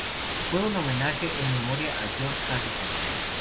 Fue un homenaje en memoria de George Harrison.